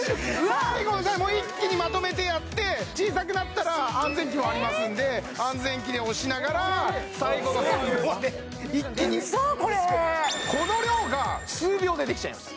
最後までもう一気にまとめてやって小さくなったら安全器もありますんで安全器で押しながら最後の最後まで一気にウソやろえっウソこれこの量が数秒でできちゃいます